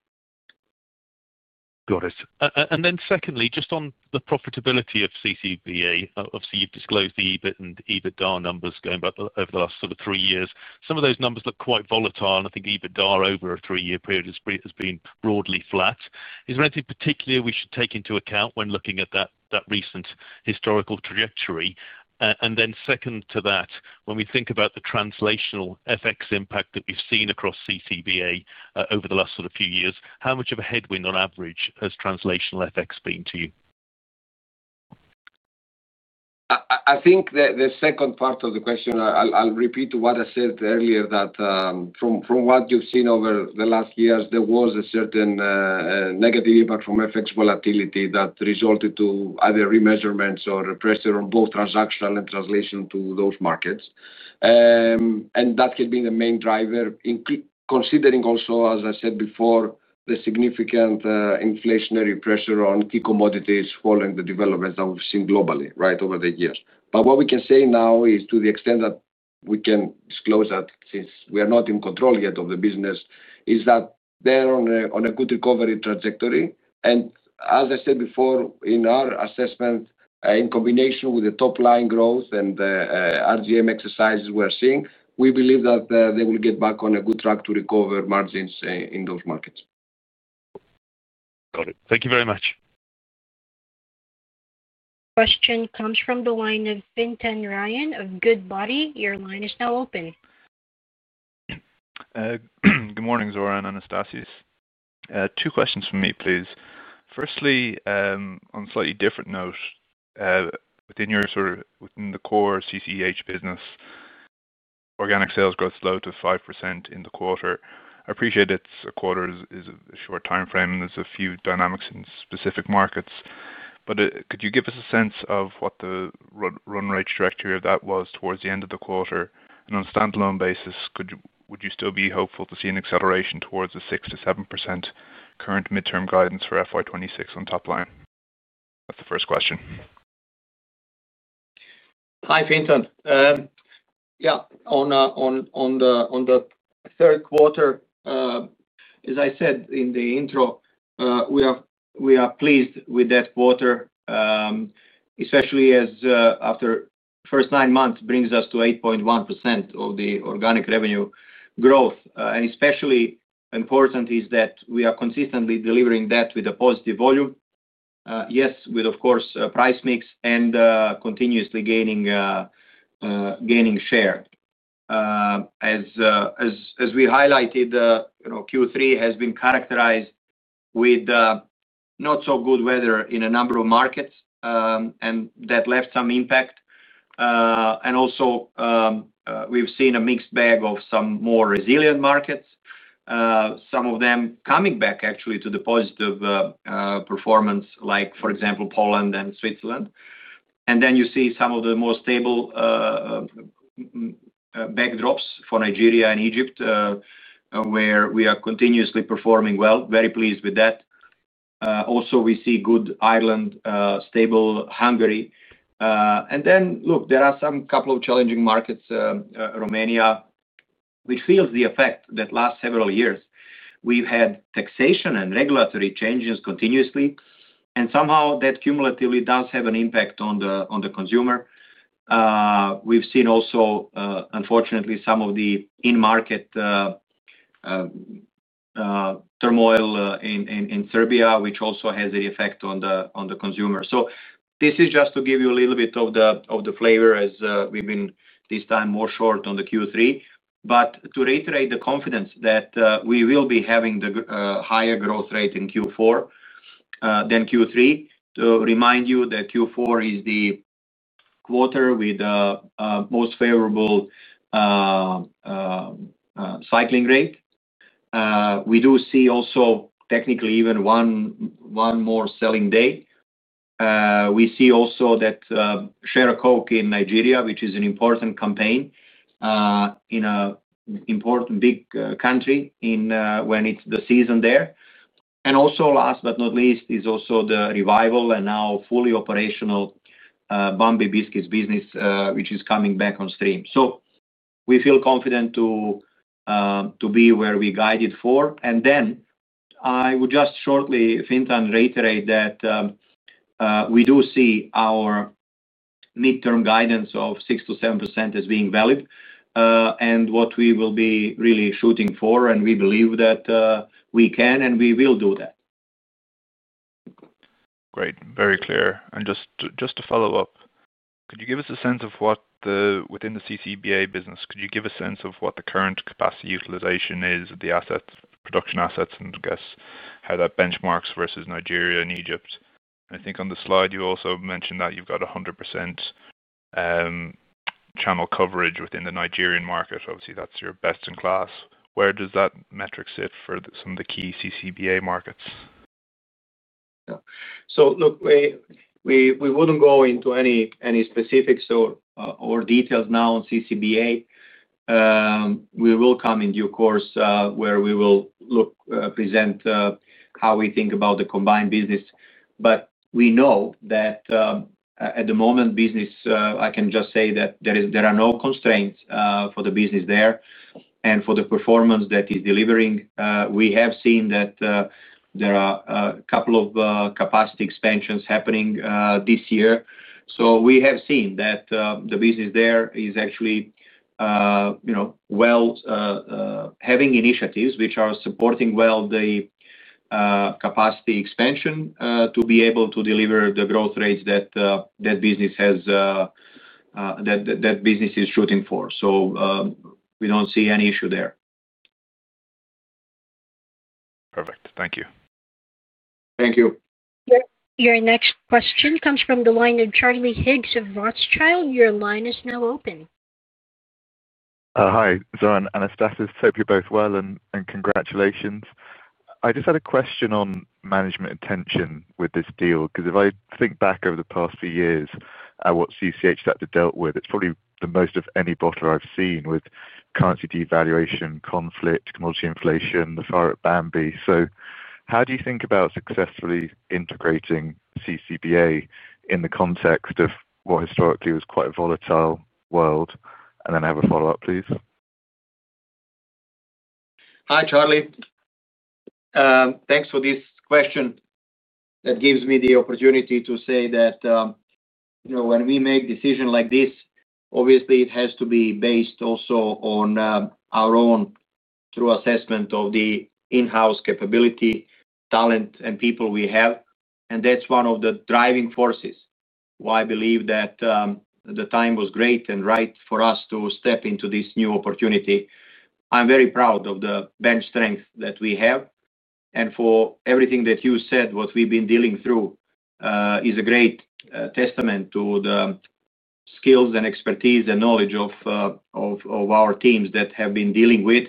Got it. Secondly, just on the profitability. Of CCBA, obviously you've disclosed the EBIT and EBITDA numbers going back over the last sort of three years. Some of those numbers look quite volatile, and I think EBITDA over a three-year period has been broadly flat. Is there anything particular we should take? Into account when looking at that recent historical trajectory? Second to that, when we think about the translational FX impact that we've seen across CCBA over the last few years, how much of a headwind on average has translational FX been to you? I think the second part of the question, I'll repeat to what I said earlier that from what you've seen over the last years, there was a certain negative impact from FX volatility that resulted in either remeasurements or pressure on both transactional and translation to those markets. That can be the main driver, considering also, as I said before, the significant inflationary pressure on key commodities following the developments that we've seen globally over the years. What we can say now, to the extent that we can disclose since we are not in control yet of the business, is that they're on a good recovery trajectory. As I said before, in our assessment, in combination with the top-line growth and RGM exercises we're seeing, we believe that they will get back on a good track to recover margins in those markets. Got it. Thank you very much. Question comes from the line of Fintan Ryan of Goodbody. Your line is now open. Good morning Zoran and Anastasis. Two questions for me please. Firstly, on a slightly different note. Within. The core CCH business, organic sales growth slowed to 5% in the quarter. I appreciate it. A quarter is a short timeframe, there's a few dynamics in specific markets. Could you give us a sense of what the run rate trajectory of that was towards the end of the quarter and on a standalone basis? Would you still be hopeful to see an acceleration towards the 6%-7% current midterm guidance for FY 2026 on top line? That's the first question. Hi Fintan. Yeah, on the third quarter, as I said in the intro, we are pleased with that quarter especially as after first nine months brings us to 8.1% of the organic revenue growth. Especially important is that we are consistently delivering that with a positive volume, yes, with of course price mix and continuously gaining share. As we highlighted, Q3 has been characterized with not so good weather in a number of markets and that left some impact. We have also seen a mixed bag of some more resilient markets, some of them coming back actually to the positive performance like, for example, Poland and Switzerland. You see some of the more stable backdrops for Nigeria and Egypt where we are continuously performing well. Very pleased with that. We also see good Ireland, stable Hungary, and there are a couple of challenging markets. Romania, which feels the effect that last several years we've had taxation and regulatory changes continuously, and somehow that cumulatively does have an impact on the consumer. We've seen also unfortunately some of the in-market turmoil in Serbia, which also has an effect on the consumer. This is just to give you a little bit of the flavor as we've been this time more short on the Q3. To reiterate the confidence that we will be having the higher growth rate in Q4 than Q3, to remind you that Q4 is the quarter with the most favorable cycling rate. We do see also technically even one more selling day. We see also that Share a Coke in Nigeria, which is an important campaign in an important big country when it's the season there. Last but not least is also the revival and now fully operational Bombay biscuits business, which is coming back on stream. We feel confident to be where we guided for. I would just shortly, Fintan, reiterate that we do see our midterm guidance of 6%-7% as being valid and what we will be really shooting for, and we believe that we can and we will do that. Great, very clear. Just to follow up, could you give us a sense of what the, within the CCBA business, could you give a sense of what the current capacity utilization is of the assets, production assets, and guess how that benchmarks versus Nigeria and Egypt? I think on the slide you also mentioned that you've got 100% channel coverage within the Nigerian market. Obviously that's your best in class. Where does that metric sit for some of the key CCBA markets? Look, we wouldn't go into any specifics or details now on CCBA. We will come in due course where we will present how we think about the combined business. We know that at the moment, business, I can just say that there are no constraints for the business there and for the performance that is delivering. We have seen that there are a couple of capacity expansions happening this year. We have seen that the business there is actually, you know, well having initiatives which are supporting well the capacity expansion to be able to deliver the growth rates that business is shooting for. We don't see any issue there. Perfect, thank you. Thank you. Your next question comes from the line of Charlie Higgs of Rothschild. Your line is now open. Hi Zoran, Anastasis. Hope you're both well and congratulations. I just had a question on management intention with this deal because if I think back over the past few years at what CCH has dealt with, it's probably the most of any bottler I've seen with currency devaluation, conflict, commodity inflation, the fire at Bambi. How do you think about successfully integrating CCBA in the context of what historically was quite a volatile world? I have a follow up, please. Hi Charlie, thanks for this question. That gives me the opportunity to say that when we make decisions like this, obviously it has to be based also on our own true assessment of the in-house capability, talent, and people we have. That's one of the driving forces why I believe that the time was great and right for us to step into this new opportunity. I'm very proud of the bench strength that we have and for everything that you said. What we've been dealing through is a great testament to the skills, expertise, and knowledge of our teams that have been dealing with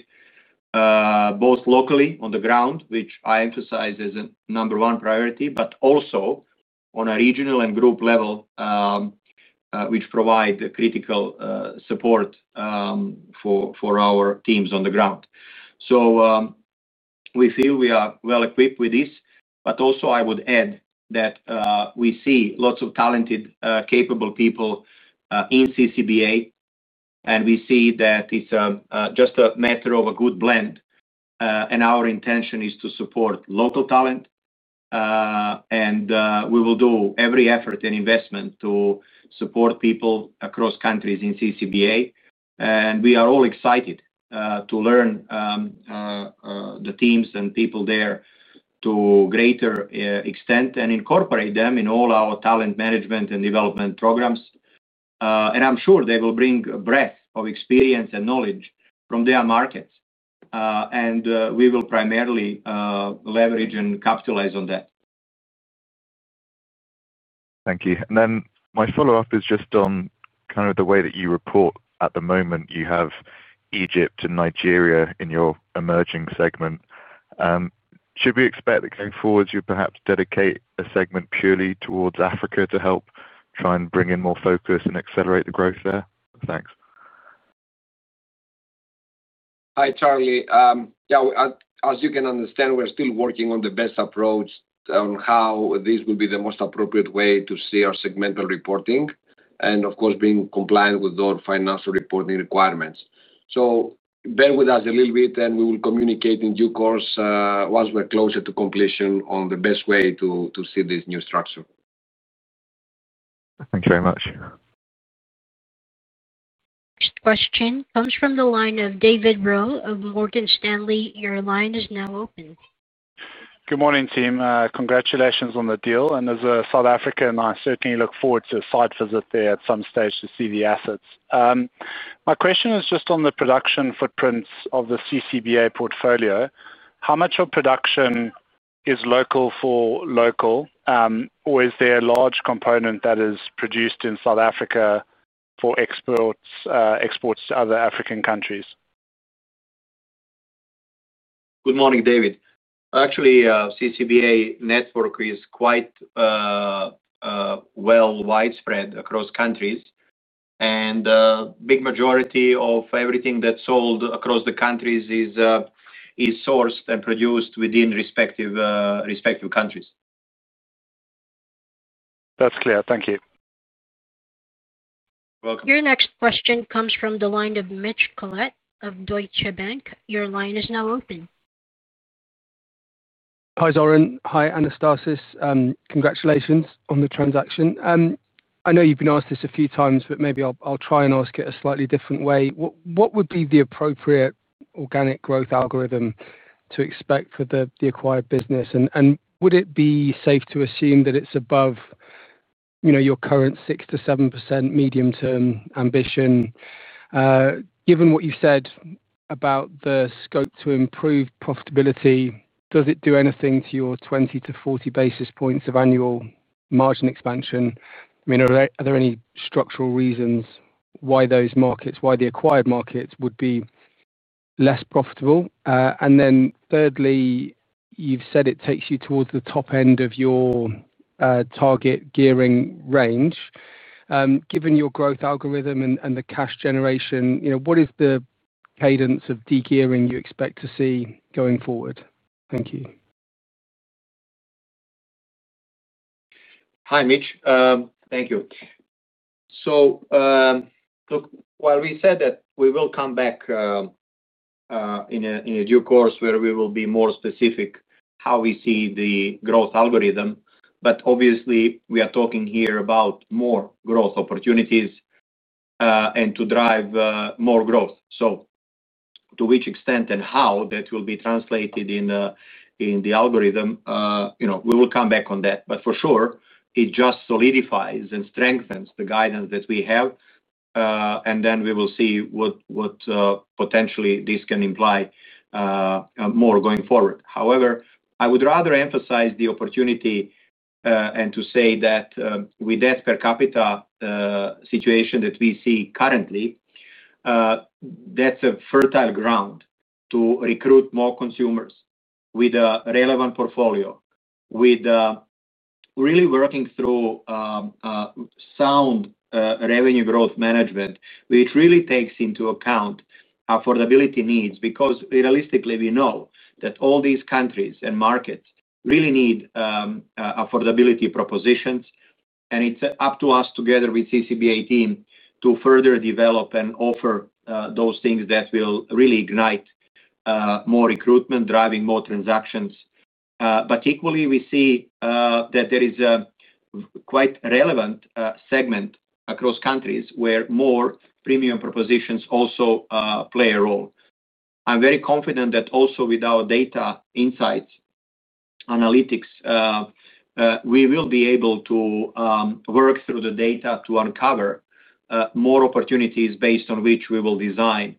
both locally on the ground, which I emphasize as a number one priority, but also on a regional and group level, which provide the critical support for our teams on the ground. We feel we are well equipped with this. I would also add that we see lots of talented, capable people in CCBA and we see that it's just a matter of a good blend. Our intention is to support local talent and we will do every effort and investment to support people across countries in CCBA. We are all excited to learn the teams and people there to a greater extent and incorporate them in all our talent management and development programs. I'm sure they will bring a breadth of experience and knowledge from their markets and we will primarily leverage and capitalize on that. Thank you. My follow up is just on kind of the way that you report at the moment. You have Egypt and Nigeria in your emerging segment. Should we expect that going forward you perhaps dedicate a segment purely towards Africa to help try and bring in more focus and accelerate the growth there? Thanks. Hi Charlie. As you can understand, we're still working on the best approach on how this will be the most appropriate way to see our segmental reporting and, of course, being compliant with our financial reporting requirements. Bear with us a little bit. We will communicate in due course once we're closer to completion on the best way to see this new structure. Thank you very much. Next question comes from the line of David Rowe of Morgan Stanley. Your line is now open. Good morning team. Congratulations on the deal. South African I certainly look forward to. A site visit there at some stage to see the assets. My question is just on the production footprints of the CCBA portfolio. How much of production is local for local, or is there a large component? That is produced in South Africa. Exports to other African countries? Good morning, David. Actually, CCBA network is quite well widespread across countries, and a big majority of everything that's sold across the countries is sourced and produced within respective countries. That's clear. Thank you. Your next question comes from the line of Mitch Collette of Deutsche Bank. Your line is now open. Hi Zoran. Hi Anastasis. Congratulations on the transaction. I know you've been asked this a few times, but maybe I'll try and ask it a slightly different way. What would be the appropriate organic growth algorithm to expect for the acquired business and would it be safe to assume that it's above your current 6%-7% medium term ambition? Given what you said about the scope to improve profitability, does it do anything to your 20-40 basis points of annual margin expansion? Are there any structural reasons why those markets, why the acquired markets would be less profitable? Thirdly, you've said it takes you towards the top end of your target gearing range. Given your growth algorithm and the cash generation, what is the cadence of de-gearing you expect to see going forward? Thank you. Hi Mitch. Thank you. While we said that we will come back in due course where we will be more specific how we see the growth algorithm, obviously we are talking here about more growth opportunities and to drive more growth. To which extent and how that will be translated in the algorithm, we will come back on that. For sure it just solidifies and strengthens the guidance that we have and then we will see what potentially this can imply more going forward. However, I would rather emphasize the opportunity and say that with that per capita situation that we see currently, that's a fertile ground to recruit more consumers with a relevant portfolio, with really working through sound revenue growth management which really takes into account affordability needs. Realistically, we know that all these countries and markets really need affordability propositions and it's up to us together with CCBA team to further develop and offer those things that will really ignite more recruitment, driving more transactions. Equally, we see that there is a quite relevant segment across countries where more premium propositions also play a role. I'm very confident that also with our data insights analytics, we will be able to work through the data to uncover more opportunities based on which we will design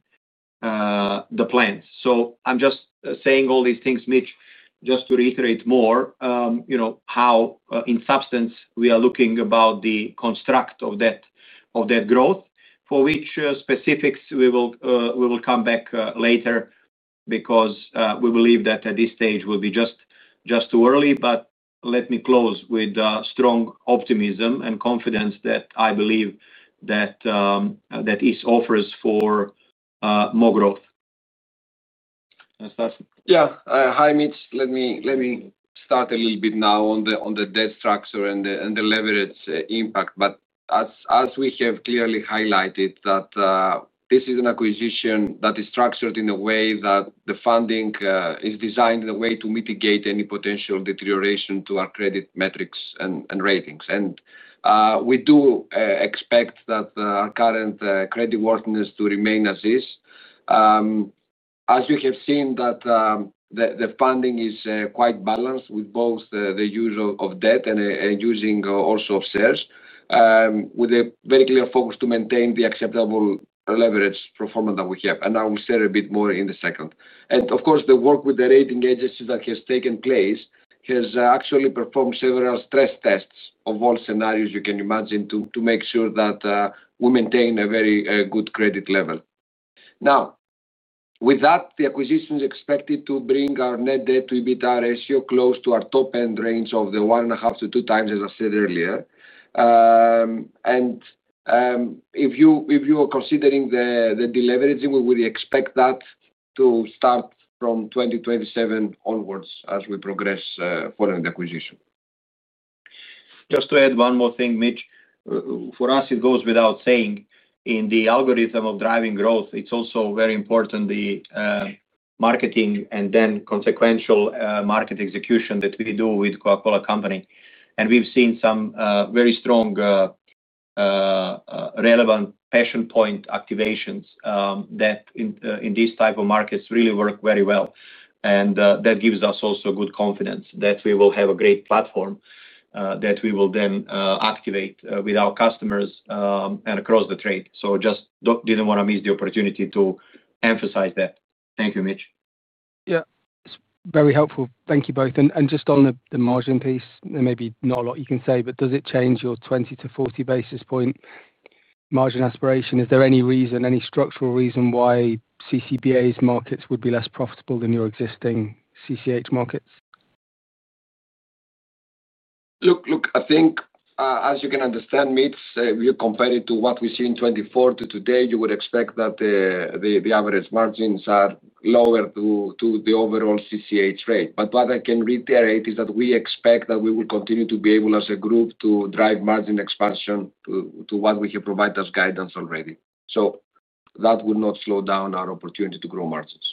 the plans. I'm just saying all these things, Mitch, just to reiterate more how in substance we are looking about the construct of that growth for which specifics we will come back later because we believe that at this stage it will be just too early. Let me close with strong optimism and confidence that I believe this offers for more growth. Yeah. Hi Mitch, let me start a little bit now on the debt structure and the leverage impact. As we have clearly highlighted, this is an acquisition that is structured in a way that the funding is designed to mitigate any potential deterioration to our credit metrics and ratings. We do expect that our current credit worthiness will remain as is. As you have seen, the funding is quite balanced with both the use of debt and also using shares, with a very clear focus to maintain the acceptable leverage performance that we have. I will share a bit more in a second. The work with the rating agencies that has taken place has actually performed several stress tests of all scenarios you can imagine to make sure that we maintain a very good credit level. The acquisition is expected to bring our net debt/EBITDA ratio close to our top end range of the 1x upto 2x as I said earlier. If you are considering the deleveraging, we would expect that to start from 2027 onwards as we progress following the acquisition. Just to add one more thing, Mitch, for us it goes without saying in the algorithm of driving growth it's also very important, the marketing and then consequential market execution that we do with The Coca-Cola Company. We've seen some very strong, relevant passion point activations that in these types of markets really work very well. That gives us also good confidence that we will have a great platform that we will then activate with our customers and across the trade. I just didn't want to miss the opportunity to emphasize that. Thank you, Mitch. Yeah, it's very helpful. Thank you both. Just on the margin piece, there may be not a lot you can say, but does it change your 20-40 basis point margin aspiration? Is there any reason, any structural reason why CCBA's markets would be less profitable than your existing CCH markets? Look, I think as you can understand, Mitch, we compare it to what we see in 2024 to today, you would expect that the average margins are lower to the overall CCH rate. What I can reiterate is that we expect that we will continue to be able as a group to drive margin expansion to what we have provided as guidance already. That would not slow down our opportunity to grow margins.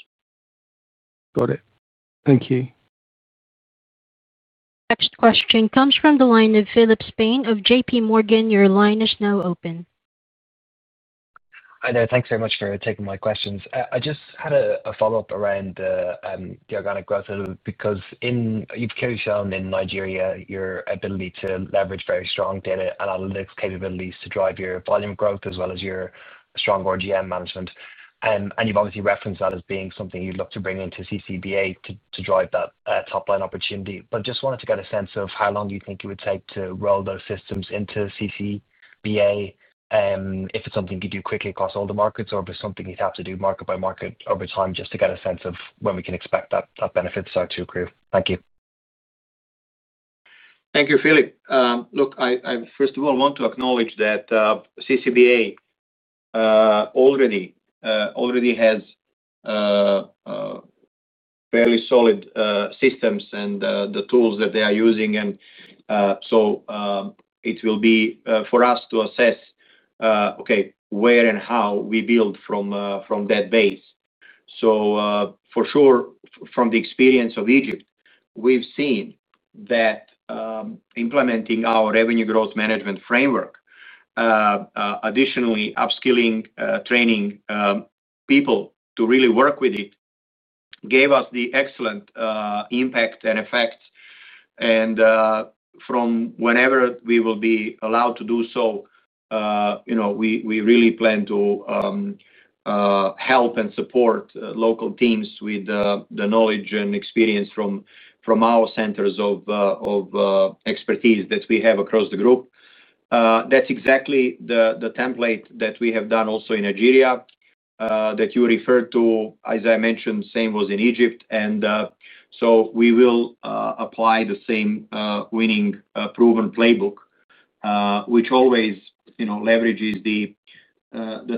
Got it, thank you. Next question comes from the line of Philip Spain of JPMorgan. Your line is now open. Hi there. Thanks very much for taking my questions. I just had a follow up around. The organic growth, because you've clearly shown. In Nigeria, your ability to leverage very strong data analytics capabilities to drive your volume growth as well as your strong RGM management. You've obviously referenced that as being something you'd look to bring into CCBA to drive that top-line opportunity. I just wanted to get a sense of how long you think it would take to roll those systems into CCBA, if it's something you do quickly across all the markets or if it's something you'd have to do market by market over time, just to get a sense of when we can expect that benefits are to accrue. Thank you. Thank you, Philip. I first of all want to acknowledge that CCBA already has fairly solid systems and the tools that they are using. It will be for us to assess, okay, where and how we build from that base. For sure, from the experience of Egypt, we've seen that implementing our revenue growth management framework, additionally upskilling, training people to really work with it, gave us the excellent impact and effect. From whenever we will be allowed to do so, we really plan to help and support local teams with the knowledge and experience from our centers of expertise that we have across the group. That's exactly the template that we have done also in Nigeria that you referred to. As I mentioned, same was in Egypt. We will apply the same winning, proven playbook, which always leverages the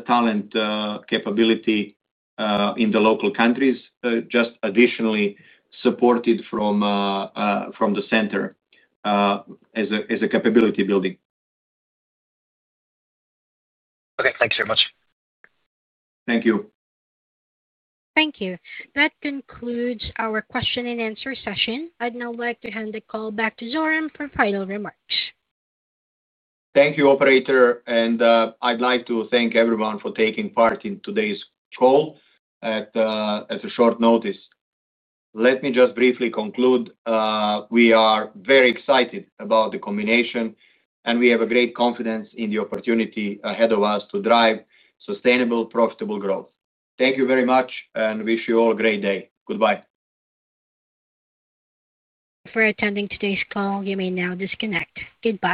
talent capability in the local countries, just additionally supported from the center as a capability building. Okay, thanks very much. Thank you. Thank you. That concludes our question and answer session. I'd now like to hand the call back to Zoran for final remarks. Thank you, operator. I'd like to thank everyone for taking part in today's call. As a short notice, let me just briefly conclude we are very excited about the combination, and we have great confidence in the opportunity ahead of us to drive sustainable, profitable growth. Thank you very much and wish you all a great day. Goodbye. Thank you for attending today's call. You may now disconnect. Goodbye.